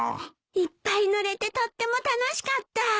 いっぱい乗れてとっても楽しかった。